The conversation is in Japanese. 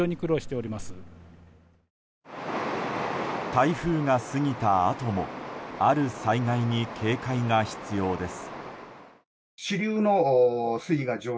台風が過ぎたあともある災害に警戒が必要です。